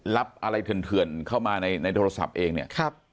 รับอะไรเถื่อนเข้ามาในโทรศัพท์เองเนี่ย